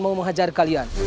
bukan mau menghajar kalian